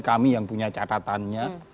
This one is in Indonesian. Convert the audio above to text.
kami yang punya catatannya